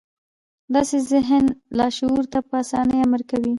داسې ذهن لاشعور ته په اسانۍ امر کوي